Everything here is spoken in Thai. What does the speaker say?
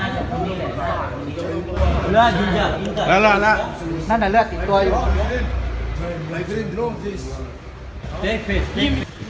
ไม่มีอะไรอย่างนี้